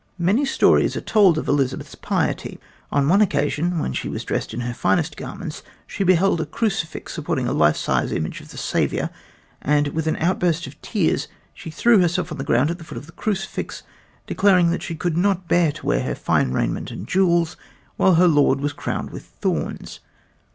Many stories are told us of Elizabeth's piety. On one occasion, when she was dressed in her finest garments she beheld a crucifix supporting a life size image of the Savior, and with an outburst of tears she threw herself on the ground at the foot of the crucifix, declaring that she could not bear to wear fine raiment and jewels, while her Lord was crowned with thorns.